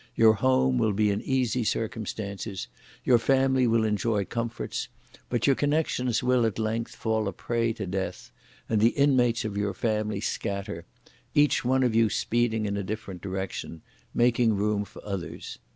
Your home will be in easy circumstances; your family will enjoy comforts; but your connexions will, at length, fall a prey to death, and the inmates of your family scatter, each one of you speeding in a different direction, making room for others!